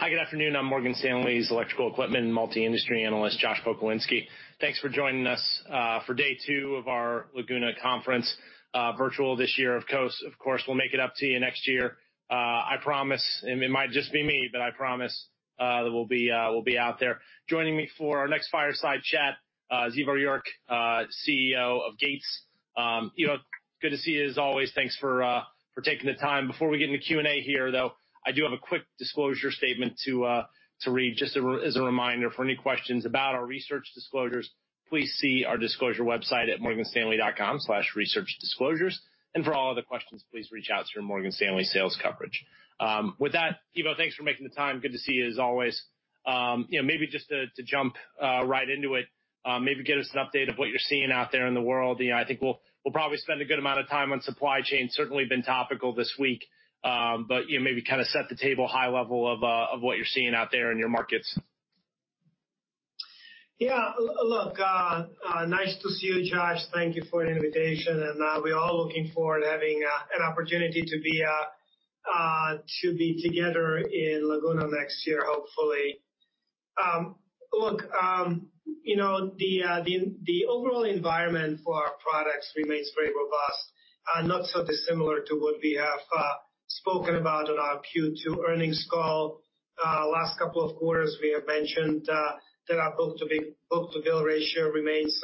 Hi, good afternoon. I'm Morgan Stanley's Electrical Equipment and Multi-Industry Analyst, Josh Pokrzywinski. Thanks for joining us for day two of our Laguna Conference, virtual this year of course. Of course, we'll make it up to you next year. I promise, and it might just be me, but I promise that we'll be out there. Joining me for our next fireside chat, Ivo Jurek, CEO of Gates. Good to see you as always. Thanks for taking the time. Before we get into Q&A here, though, I do have a quick disclosure statement to read just as a reminder. For any questions about our research disclosures, please see our disclosure website at morganstanley.com/researchdisclosures. For all other questions, please reach out through Morgan Stanley sales coverage. With that, Ivo, thanks for making the time. Good to see you as always. Maybe just to jump right into it, maybe get us an update of what you're seeing out there in the world. I think we'll probably spend a good amount of time on supply chain. Certainly been topical this week, but maybe kind of set the table high level of what you're seeing out there in your markets. Yeah, look, nice to see you, Josh. Thank you for the invitation. We're all looking forward to having an opportunity to be together in Laguna next year, hopefully. Look, the overall environment for our products remains very robust, not so dissimilar to what we have spoken about on our Q2 earnings call. Last couple of quarters, we have mentioned that our book-to-bill ratio remains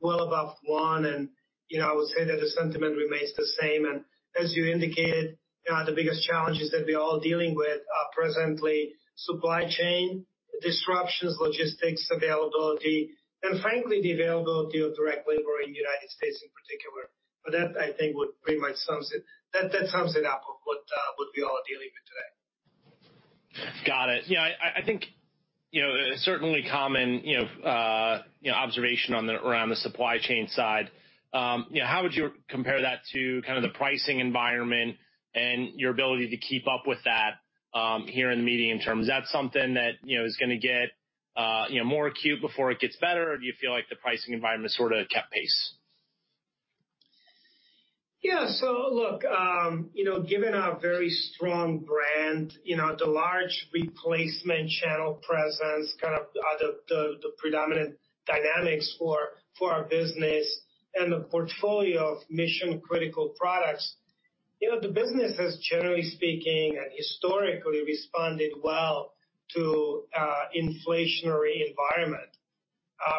well above one. I would say that the sentiment remains the same. As you indicated, the biggest challenges that we are all dealing with presently are supply chain disruptions, logistics availability, and frankly, the availability of direct labor in the United States in particular. That, I think, pretty much sums it up of what we are all dealing with today. Got it. Yeah, I think certainly common observation around the supply chain side. How would you compare that to kind of the pricing environment and your ability to keep up with that here in the medium term? Is that something that is going to get more acute before it gets better, or do you feel like the pricing environment sort of kept pace? Yeah, so look, given our very strong brand, the large replacement channel presence, kind of the predominant dynamics for our business, and the portfolio of mission-critical products, the business has, generally speaking, and historically responded well to an inflationary environment.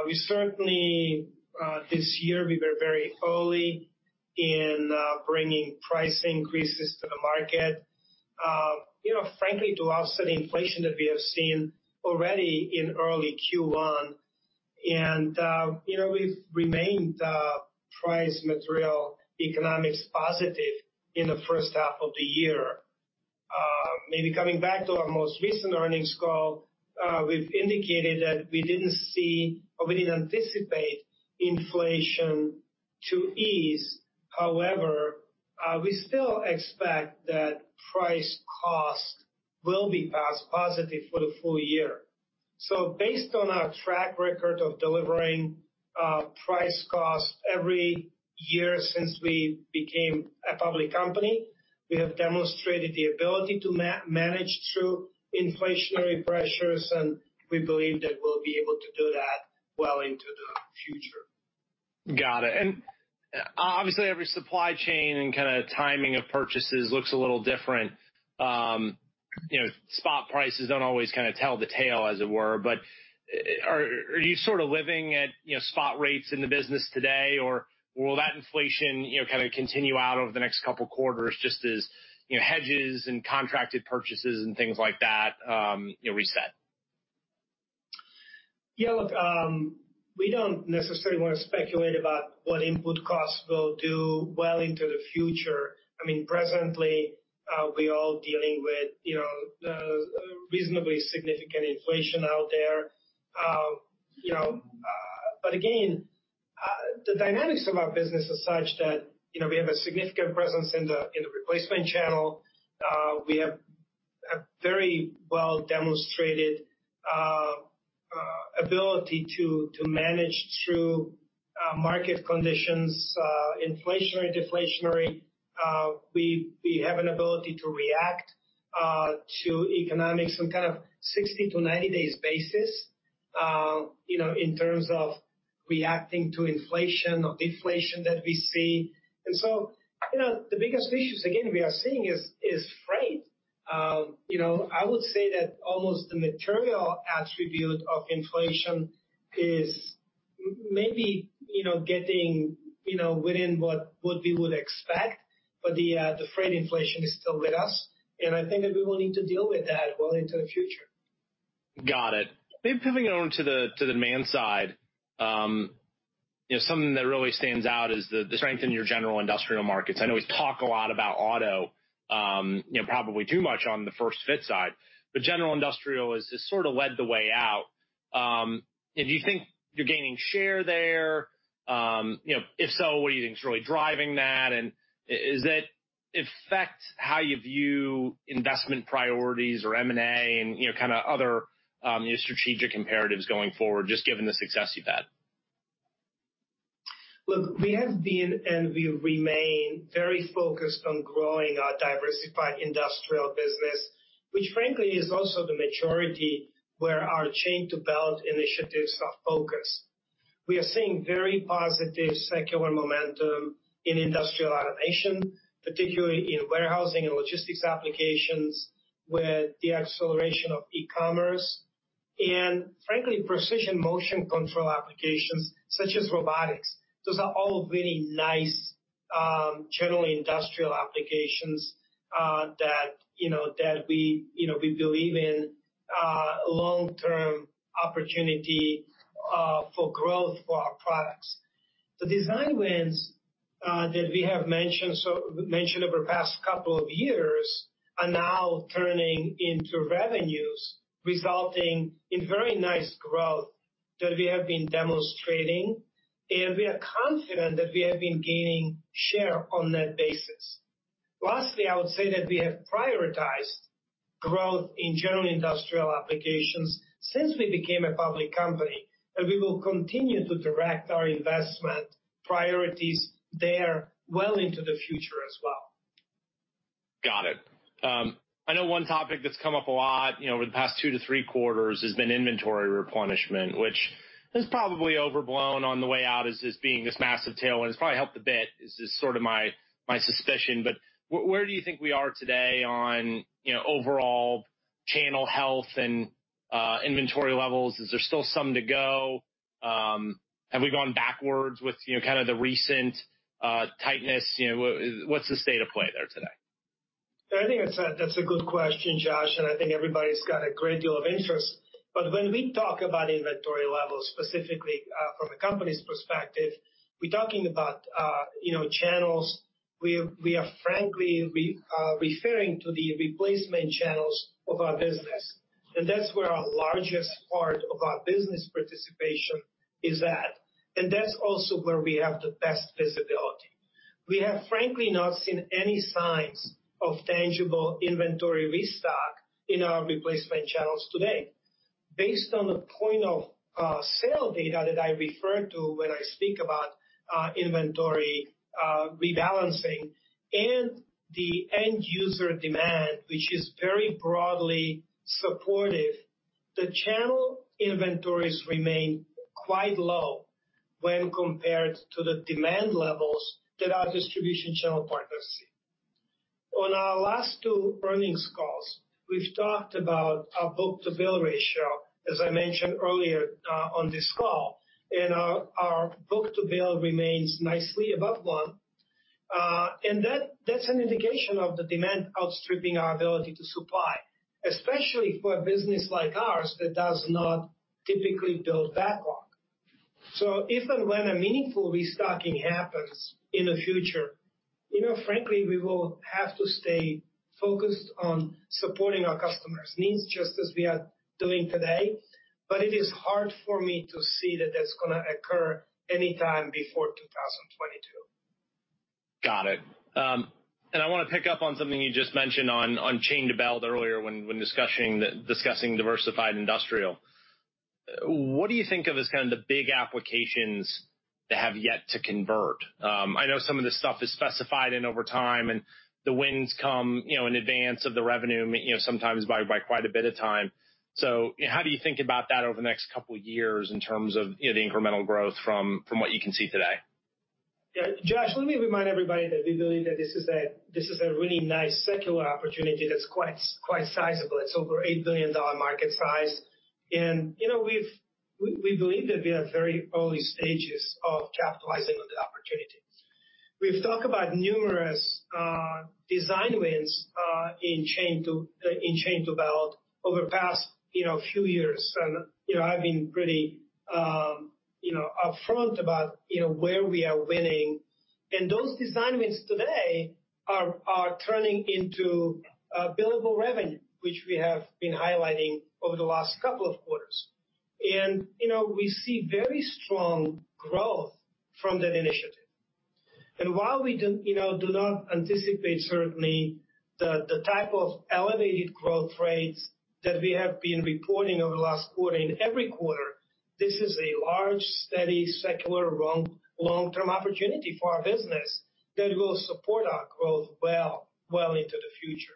We certainly, this year, we were very early in bringing price increases to the market, frankly, to offset inflation that we have seen already in early Q1. We have remained price material economics positive in the first half of the year. Maybe coming back to our most recent earnings call, we have indicated that we did not see or we did not anticipate inflation to ease. However, we still expect that price cost will be positive for the full year. Based on our track record of delivering price cost every year since we became a public company, we have demonstrated the ability to manage through inflationary pressures, and we believe that we'll be able to do that well into the future. Got it. Obviously, every supply chain and kind of timing of purchases looks a little different. Spot prices do not always kind of tell the tale, as it were. Are you sort of living at spot rates in the business today, or will that inflation kind of continue out over the next couple of quarters just as hedges and contracted purchases and things like that reset? Yeah, look, we do not necessarily want to speculate about what input costs will do well into the future. I mean, presently, we are all dealing with reasonably significant inflation out there. Again, the dynamics of our business are such that we have a significant presence in the replacement channel. We have a very well-demonstrated ability to manage through market conditions, inflationary, deflationary. We have an ability to react to economics on kind of a 60-day to 90-day basis in terms of reacting to inflation or deflation that we see. The biggest issues, again, we are seeing is freight. I would say that almost the material attribute of inflation is maybe getting within what we would expect, but the freight inflation is still with us. I think that we will need to deal with that well into the future. Got it. Maybe pivoting over to the demand side, something that really stands out is the strength in your general industrial markets. I know we talk a lot about auto, probably too much on the first fit side, but general industrial has sort of led the way out. Do you think you're gaining share there? If so, what do you think is really driving that? Does that affect how you view investment priorities or M&A and kind of other strategic imperatives going forward, just given the success you've had? Look, we have been and we remain very focused on growing our diversified industrial business, which frankly is also the maturity where our chain-to-belt initiatives are focused. We are seeing very positive secular momentum in industrial automation, particularly in warehousing and logistics applications with the acceleration of e-commerce. Frankly, precision motion control applications such as robotics. Those are all really nice general industrial applications that we believe in long-term opportunity for growth for our products. The design wins that we have mentioned over the past couple of years are now turning into revenues, resulting in very nice growth that we have been demonstrating. We are confident that we have been gaining share on that basis. Lastly, I would say that we have prioritized growth in general industrial applications since we became a public company. We will continue to direct our investment priorities there well into the future as well. Got it. I know one topic that's come up a lot over the past two to three quarters has been inventory replenishment, which is probably overblown on the way out as being this massive tailwind. It's probably helped a bit, is sort of my suspicion. Where do you think we are today on overall channel health and inventory levels? Is there still some to go? Have we gone backwards with kind of the recent tightness? What's the state of play there today? I think that's a good question, Josh. I think everybody's got a great deal of interest. When we talk about inventory levels, specifically from a company's perspective, we're talking about channels. We are frankly referring to the replacement channels of our business. That's where our largest part of our business participation is at. That's also where we have the best visibility. We have frankly not seen any signs of tangible inventory restock in our replacement channels today. Based on the point of sale data that I refer to when I speak about inventory rebalancing and the end user demand, which is very broadly supportive, the channel inventories remain quite low when compared to the demand levels that our distribution channel partners see. On our last two earnings calls, we've talked about our book-to-bill ratio, as I mentioned earlier on this call. Our book-to-bill remains nicely above one. That is an indication of the demand outstripping our ability to supply, especially for a business like ours that does not typically build backlog. If and when a meaningful restocking happens in the future, frankly, we will have to stay focused on supporting our customers' needs, just as we are doing today. It is hard for me to see that that is going to occur anytime before 2022. Got it. I want to pick up on something you just mentioned on chain-to-belt earlier when discussing diversified industrial. What do you think of as kind of the big applications that have yet to convert? I know some of this stuff is specified in over time, and the winds come in advance of the revenue sometimes by quite a bit of time. How do you think about that over the next couple of years in terms of the incremental growth from what you can see today? Let me remind everybody that we believe that this is a really nice secular opportunity that is quite sizable. It is over $8 billion market size. We believe that we are at very early stages of capitalizing on the opportunity. We have talked about numerous design wins in chain-to-belt over the past few years. I have been pretty upfront about where we are winning. Those design wins today are turning into billable revenue, which we have been highlighting over the last couple of quarters. We see very strong growth from that initiative. While we do not anticipate, certainly, the type of elevated growth rates that we have been reporting over the last quarter, in every quarter, this is a large, steady, secular, long-term opportunity for our business that will support our growth well into the future.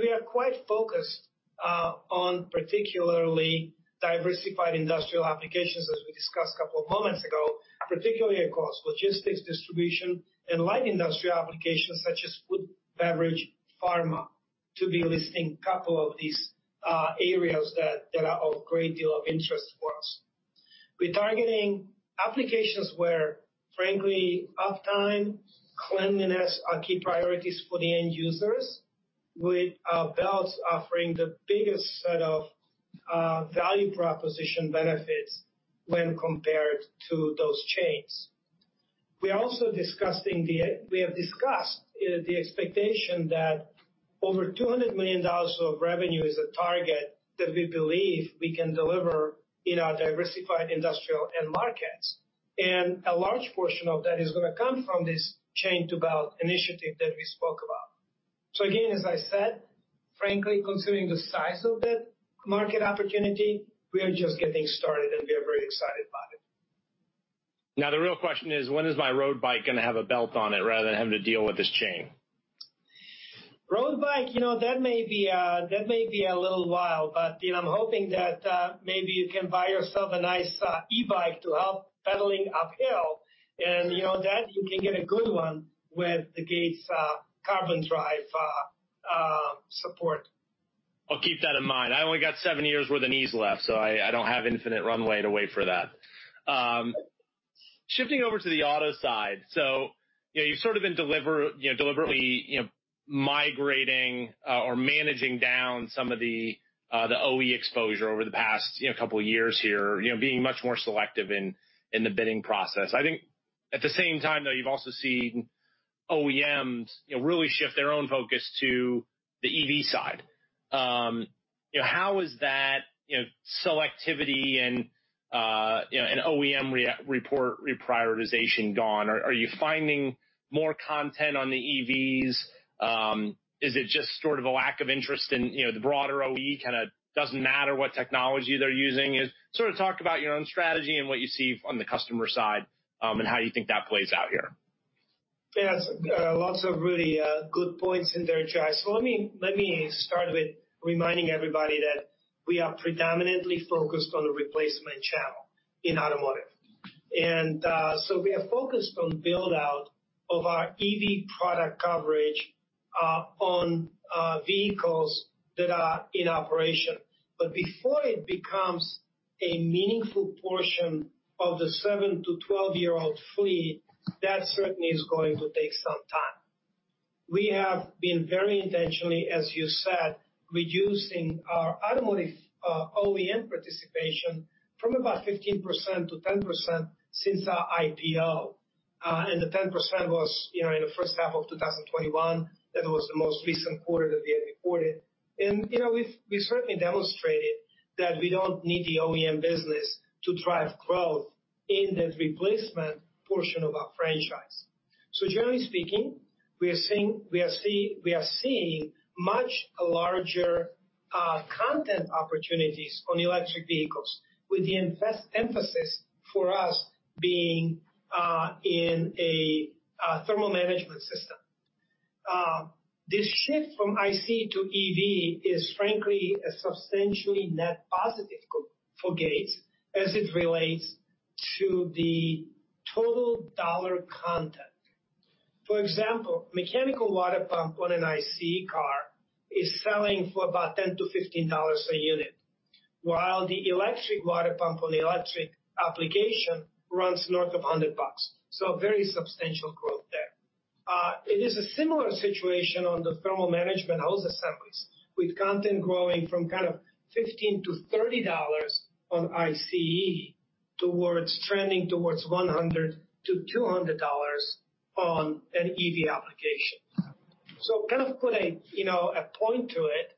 We are quite focused on particularly diversified industrial applications, as we discussed a couple of moments ago, particularly across logistics, distribution, and light industrial applications such as food, beverage, pharma, to be listing a couple of these areas that are of great deal of interest for us. We are targeting applications where, frankly, uptime, cleanliness are key priorities for the end users, with belt offering the biggest set of value proposition benefits when compared to those chains. We are also discussing the expectation that over $200 million of revenue is a target that we believe we can deliver in our diversified industrial end markets. A large portion of that is going to come from this chain-to-belt initiative that we spoke about. Again, as I said, frankly, considering the size of that market opportunity, we are just getting started, and we are very excited about it. Now, the real question is, when is my road bike going to have a belt on it rather than having to deal with this chain? Road bike, that may be a little while. I'm hoping that maybe you can buy yourself a nice e-bike to help pedaling uphill. You can get a good one with the Gates Carbon Drive support. I'll keep that in mind. I only got seven years where the knees left, so I don't have infinite runway to wait for that. Shifting over to the auto side. You've sort of been deliberately migrating or managing down some of the OE exposure over the past couple of years here, being much more selective in the bidding process. I think at the same time, though, you've also seen OEMs really shift their own focus to the EV side. How has that selectivity and OEM reprioritization gone? Are you finding more content on the EVs? Is it just sort of a lack of interest in the broader OE? Kind of doesn't matter what technology they're using. Sort of talk about your own strategy and what you see on the customer side and how you think that plays out here. Yeah, lots of really good points in there, Josh. Let me start with reminding everybody that we are predominantly focused on the replacement channel in automotive. We are focused on build-out of our EV product coverage on vehicles that are in operation. Before it becomes a meaningful portion of the 7-12-year-old fleet, that certainly is going to take some time. We have been very intentionally, as you said, reducing our automotive OEM participation from about 15% to 10% since our IPO. The 10% was in the first half of 2021. That was the most recent quarter that we had reported. We certainly demonstrated that we do not need the OEM business to drive growth in the replacement portion of our franchise. Generally speaking, we are seeing much larger content opportunities on electric vehicles, with the emphasis for us being in a thermal management system. This shift from IC to EV is, frankly, a substantially net positive for Gates as it relates to the total dollar content. For example, a mechanical water pump on an IC car is selling for about $10-$15 a unit, while the electric water pump on the electric application runs north of $100. Very substantial growth there. It is a similar situation on the thermal management hose assemblies, with content growing from $15-$30 on ICE towards trending towards $100-$200 on an EV application. To put a point to it,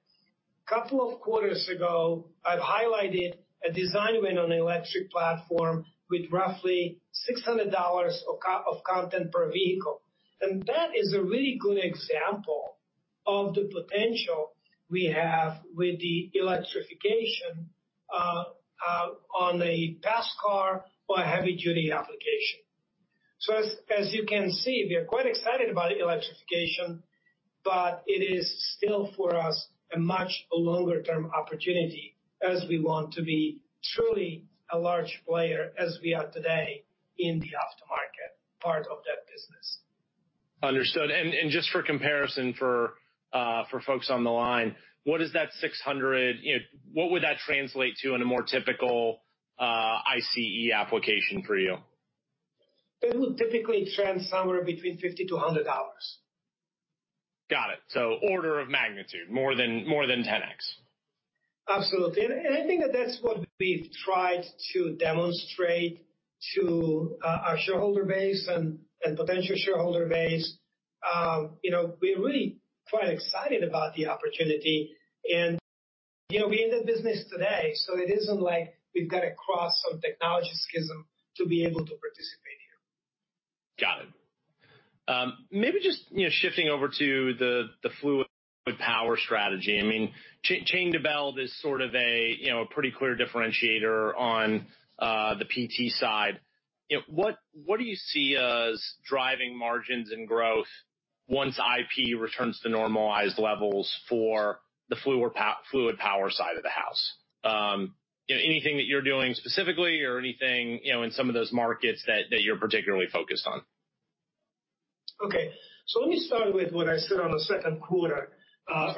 a couple of quarters ago, I've highlighted a design win on an electric platform with roughly $600 of content per vehicle. That is a really good example of the potential we have with the electrification on a pass car or a heavy-duty application. As you can see, we are quite excited about electrification, but it is still, for us, a much longer-term opportunity as we want to be truly a large player as we are today in the aftermarket part of that business. Understood. Just for comparison for folks on the line, what is that $600? What would that translate to in a more typical ICE application for you? It would typically trend somewhere between $50-$100. Got it. Order of magnitude, more than 10x. Absolutely. I think that that's what we've tried to demonstrate to our shareholder base and potential shareholder base. We are really quite excited about the opportunity. We're in the business today, so it isn't like we've got to cross some technology schism to be able to participate here. Got it. Maybe just shifting over to the fluid power strategy. I mean, chain-to-belt is sort of a pretty clear differentiator on the PT side. What do you see as driving margins and growth once IP returns to normalized levels for the fluid power side of the house? Anything that you're doing specifically or anything in some of those markets that you're particularly focused on? Okay. Let me start with what I said on the second quarter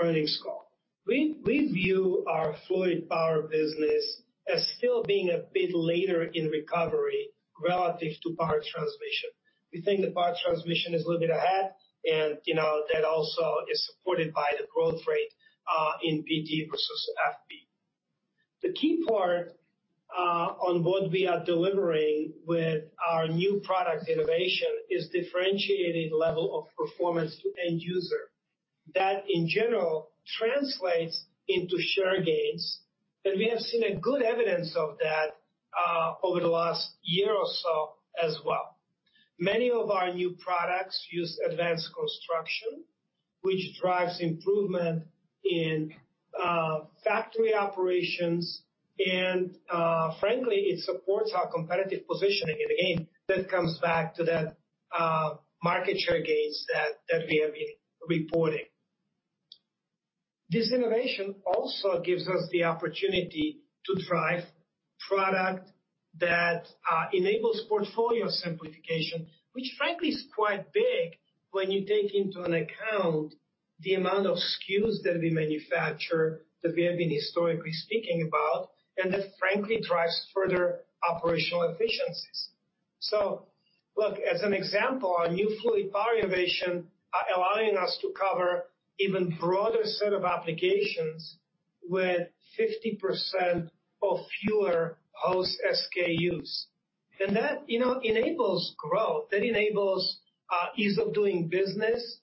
earnings call. We view our fluid power business as still being a bit later in recovery relative to power transmission. We think that power transmission is a little bit ahead. That also is supported by the growth rate in PT versus FP. The key part on what we are delivering with our new product innovation is differentiated level of performance to end user. That, in general, translates into share gains. We have seen good evidence of that over the last year or so as well. Many of our new products use advanced construction, which drives improvement in factory operations. Frankly, it supports our competitive positioning. Again, that comes back to that market share gains that we have been reporting. This innovation also gives us the opportunity to drive product that enables portfolio simplification, which, frankly, is quite big when you take into account the amount of SKUs that we manufacture that we have been historically speaking about. That, frankly, drives further operational efficiencies. Look, as an example, our new fluid power innovation is allowing us to cover an even broader set of applications with 50% or fewer hose SKUs. That enables growth. That enables ease of doing business,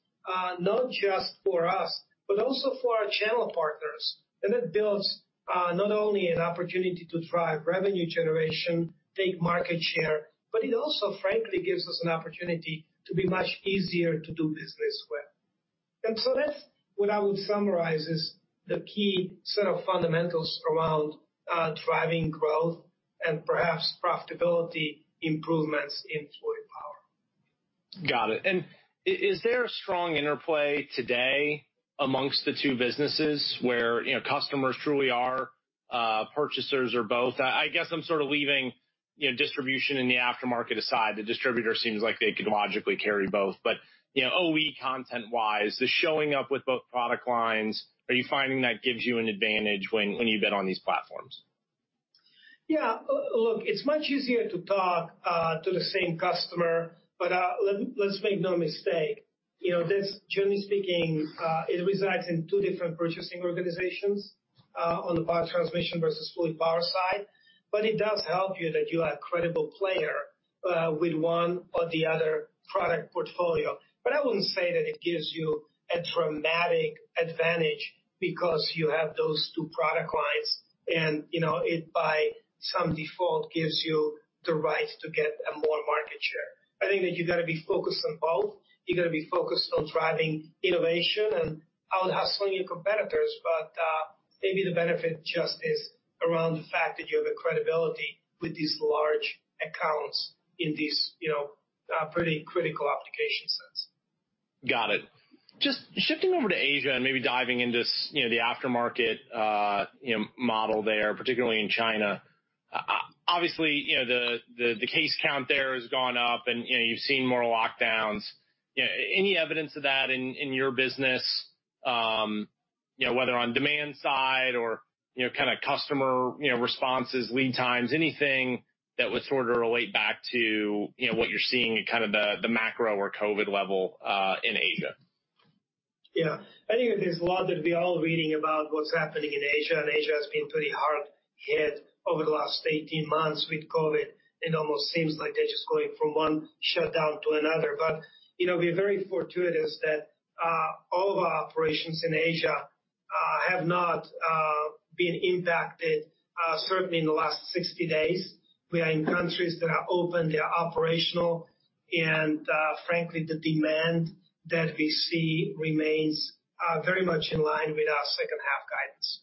not just for us, but also for our channel partners. That builds not only an opportunity to drive revenue generation, take market share, but it also, frankly, gives us an opportunity to be much easier to do business with. That is what I would summarize as the key set of fundamentals around driving growth and perhaps profitability improvements in fluid power. Got it. Is there a strong interplay today amongst the two businesses where customers truly are purchasers of both? I guess I'm sort of leaving distribution in the aftermarket aside. The distributor seems like they could logically carry both. OE content-wise, the showing up with both product lines, are you finding that gives you an advantage when you bid on these platforms? Yeah. Look, it's much easier to talk to the same customer. Let's make no mistake. Generally speaking, it resides in two different purchasing organizations on the power transmission versus fluid power side. It does help you that you are a credible player with one or the other product portfolio. I wouldn't say that it gives you a dramatic advantage because you have those two product lines. It, by some default, gives you the right to get more market share. I think that you've got to be focused on both. You've got to be focused on driving innovation and outsourcing your competitors. Maybe the benefit just is around the fact that you have a credibility with these large accounts in these pretty critical application sets. Got it. Just shifting over to Asia and maybe diving into the aftermarket model there, particularly in China. Obviously, the case count there has gone up, and you've seen more lockdowns. Any evidence of that in your business, whether on demand side or kind of customer responses, lead times, anything that would sort of relate back to what you're seeing at kind of the macro or COVID level in Asia? Yeah. I think there's a lot that we are all reading about what's happening in Asia. Asia has been pretty hard hit over the last 18 months with COVID. It almost seems like they're just going from one shutdown to another. We are very fortunate that all of our operations in Asia have not been impacted, certainly in the last 60 days. We are in countries that are open, they are operational. Frankly, the demand that we see remains very much in line with our second-half guidance.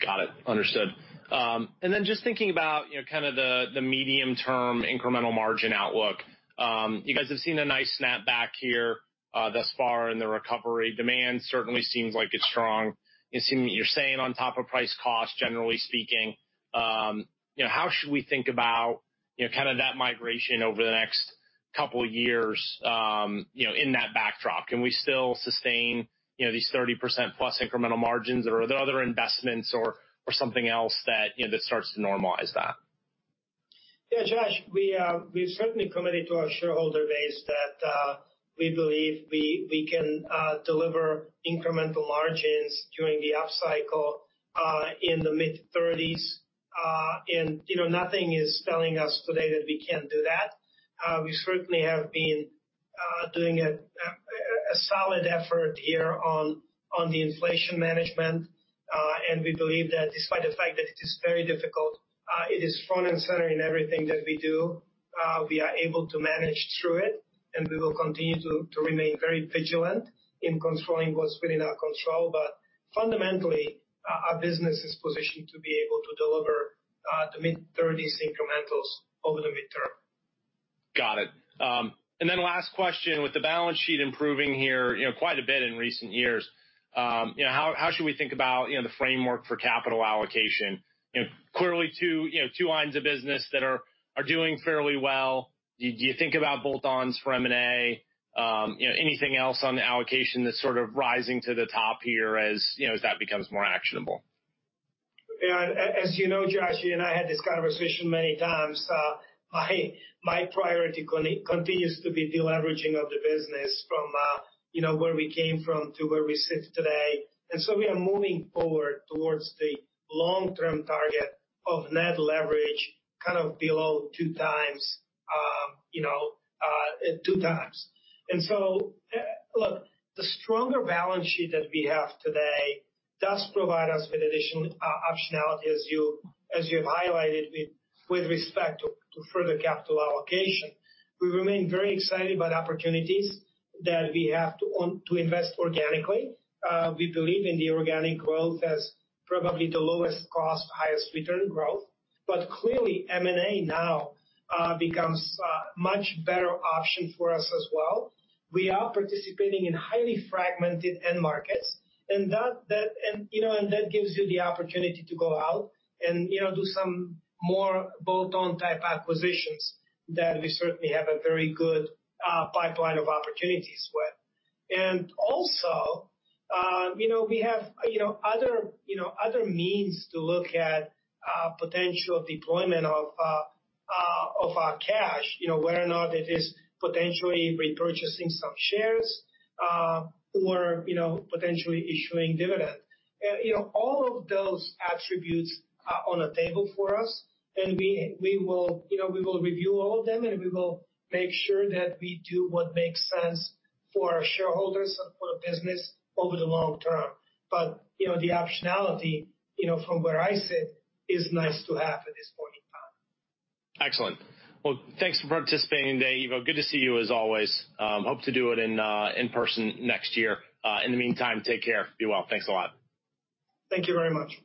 Got it. Understood. Just thinking about kind of the medium-term incremental margin outlook, you guys have seen a nice snapback here thus far in the recovery. Demand certainly seems like it's strong. You're staying on top of price cost, generally speaking. How should we think about kind of that migration over the next couple of years in that backdrop? Can we still sustain these 30%+ incremental margins? Or are there other investments or something else that starts to normalize that? Yeah, Josh, we've certainly committed to our shareholder base that we believe we can deliver incremental margins during the upcycle in the mid-30s. Nothing is telling us today that we can't do that. We certainly have been doing a solid effort here on the inflation management. We believe that despite the fact that it is very difficult, it is front and center in everything that we do. We are able to manage through it. We will continue to remain very vigilant in controlling what's within our control. Fundamentally, our business is positioned to be able to deliver the mid-30s incrementals over the midterm. Got it. Last question. With the balance sheet improving here quite a bit in recent years, how should we think about the framework for capital allocation? Clearly, two lines of business that are doing fairly well. Do you think about bolt-ons for M&A? Anything else on allocation that's sort of rising to the top here as that becomes more actionable? Yeah. As you know, Josh, you and I had this conversation many times. My priority continues to be deleveraging of the business from where we came from to where we sit today. We are moving forward towards the long-term target of net leverage kind of below two times, two times. The stronger balance sheet that we have today does provide us with additional optionality, as you have highlighted, with respect to further capital allocation. We remain very excited about opportunities that we have to invest organically. We believe in the organic growth as probably the lowest cost, highest return growth. Clearly, M&A now becomes a much better option for us as well. We are participating in highly fragmented end markets. That gives you the opportunity to go out and do some more bolt-on type acquisitions that we certainly have a very good pipeline of opportunities with. We also have other means to look at potential deployment of our cash, whether or not it is potentially repurchasing some shares or potentially issuing dividend. All of those attributes are on the table for us. We will review all of them. We will make sure that we do what makes sense for our shareholders and for the business over the long term. The optionality, from where I sit, is nice to have at this point in time. Excellent. Thanks for participating today, Ivo. Good to see you as always. Hope to do it in person next year. In the meantime, take care. Be well. Thanks a lot. Thank you very much.